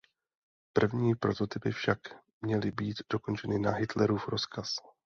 První prototypy však měly být dokončeny na Hitlerův rozkaz.